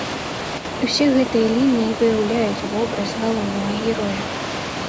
Усе гэтыя лініі і выяўляюць вобраз галоўнага героя.